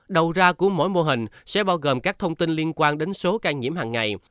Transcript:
đầu ra của mỗi mô hình sẽ bao gồm các thông tin liên quan đến số ca nhiễm hàng ngày